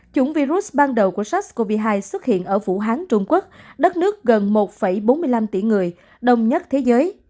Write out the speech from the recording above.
chủng virus ban đầu của sars cov hai xuất hiện ở vũ hán trung quốc đất nước gần một bốn mươi năm tỷ người đông nhất thế giới